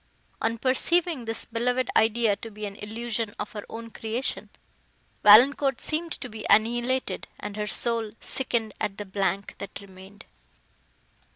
On perceiving this beloved idea to be an illusion of her own creation, Valancourt seemed to be annihilated, and her soul sickened at the blank, that remained.